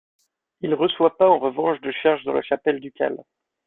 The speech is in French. Il reçoit pas, en revanche, de charge dans la chapelle ducale.